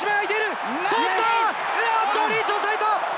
リーチおさえた！